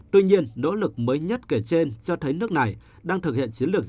tuy nhiên nỗ lực mới nhất kể trên cho thấy nước này đang thực hiện chiến lược